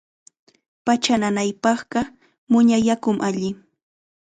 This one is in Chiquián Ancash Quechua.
Pacha nanaypaqqa muña yakum alli.